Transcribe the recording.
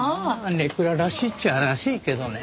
ネクラらしいっちゃらしいけどね。